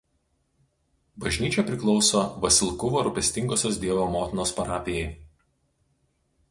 Bažnyčia priklauso Vasilkuvo Rūpestingosios Dievo Motinos parapijai.